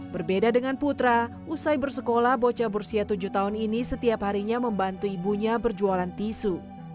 berbeda dengan putra usai bersekolah bocah berusia tujuh tahun ini setiap harinya membantu ibunya berjualan tisu